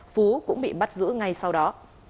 phú cũng bị bắt giữ ngay sau đó